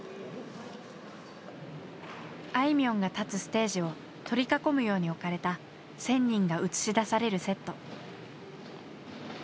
あいみょんが立つステージを取り囲むように置かれた１，０００人が映し出されるセット。